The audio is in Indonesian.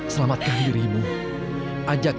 kepada kira kira penularhar